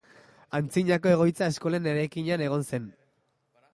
Antzinako egoitza eskolen eraikinean egon zen.